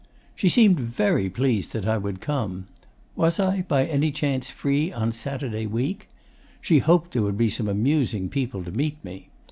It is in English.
'She seemed very pleased that I would come. Was I, by any chance, free on Saturday week? She hoped there would be some amusing people to meet me.